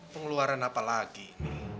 pengeluaran apa lagi ini